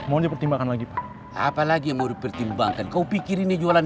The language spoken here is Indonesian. eh yang empat orang jangan bubar